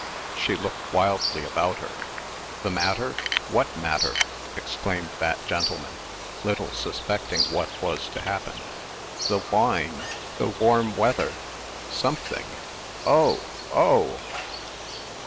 She looked wildly about her. "The matter! What matter?" exclaimed that gentleman, little suspecting what was to happen. "The wine the warm weather something oh! oh!"